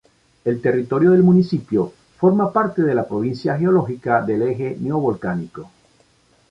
El territorio del municipio forma parte de la provincia geológica del Eje Neovolcánico.